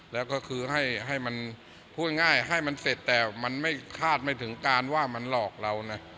แล้วก็คือให้มันพูดง่ายให้มันเสร็จแต่มันไม่คาดไม่ถึงการว่ามันหลอกเรานะ